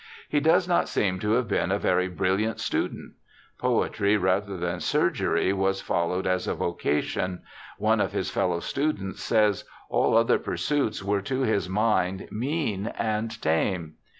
He does not seem to have been a very brilliant student. Poetry rather than surgery was followed as a vocation ; one of his fellow students says, ' all other pursuits were to his mind mean and tame.'